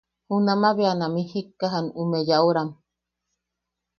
Junama bea ne am jijikkajan ume yaʼuram.